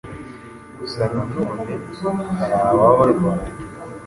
gusa nanone hari ababa barwaye